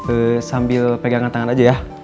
eh sambil pegangan tangan aja ya